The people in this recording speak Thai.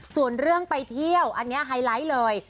ส่วนเรื่องไปเที่ยวอันนี้ไฮไลท์เลย